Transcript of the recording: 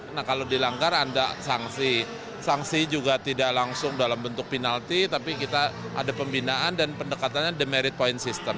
nah kalau dilanggar ada sanksi sanksi juga tidak langsung dalam bentuk penalti tapi kita ada pembinaan dan pendekatannya the merit point system